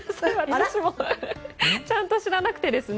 私もちゃんと知らなくてですね。